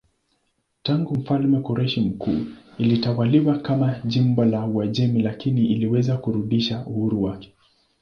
Tangu mfalme Koreshi Mkuu ilitawaliwa kama jimbo la Uajemi lakini iliweza kurudisha uhuru wake.